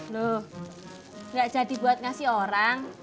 lo ga jadi buat ngasih orang